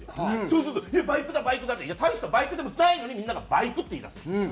そうすると「バイクだバイクだ」って大したバイクでもないのにみんながバイクって言いだすんですよ。